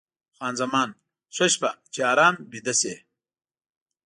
خان زمان: ښه شپه، چې ارام ویده شې.